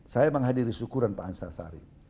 saya menghadiri syukuran pak ansar sari